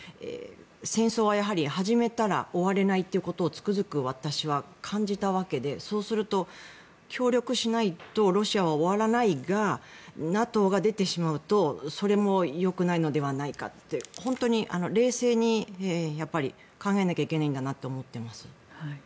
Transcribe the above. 戦争は始めたら終われないということをつくづく私は感じたわけでそうすると協力しないとロシアは終わらないがＮＡＴＯが出てしまうとそれもよくないのではないかって本当に冷静に考えなきゃいけないんだなと思っています。